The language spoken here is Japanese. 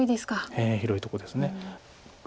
ええ広いとこです。